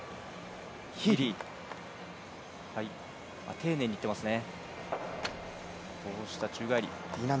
丁寧にいってますね。